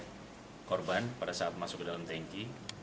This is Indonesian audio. ada beberapa barang bukti korban pada saat masuk ke dalam tanki